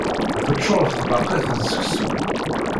Teččuṛ tbaqit d seksu.